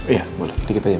iya boleh dikit aja